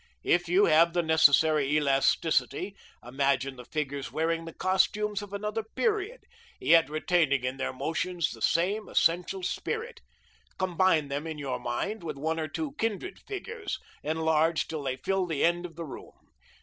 If you have the necessary elasticity, imagine the figures wearing the costumes of another period, yet retaining in their motions the same essential spirit. Combine them in your mind with one or two kindred figures, enlarged till they fill the end of the room.